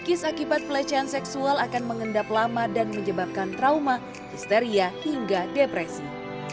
kikis akibat pelecehan seksual akan mengendap lama dan menyebabkan trauma histeria hingga depresi